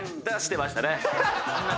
出してましたね。